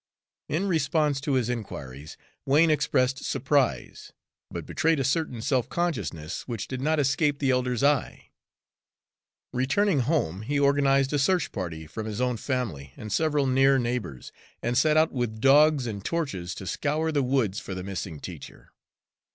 In response to his inquiries, Wain expressed surprise, but betrayed a certain self consciousness which did not escape the elder's eye. Returning home, he organized a search party from his own family and several near neighbors, and set out with dogs and torches to scour the woods for the missing teacher.